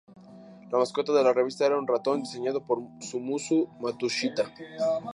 La mascota de la revista era un ratón diseñado por Susumu Matsushita.